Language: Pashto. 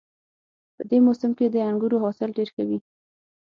په دې موسم کې د انګورو حاصل ډېر ښه وي